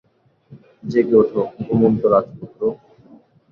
জেগে ওঠো, ঘুমন্ত রাজপুত্র!